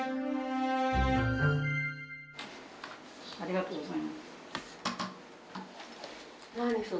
ありがとうございます。